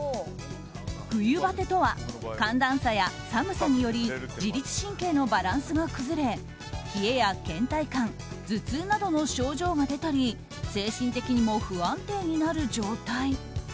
冬バテとは寒暖差や寒さにより自律神経のバランスが崩れ冷えや倦怠感、頭痛などの症状が出たり精神的にも不安定になる状態。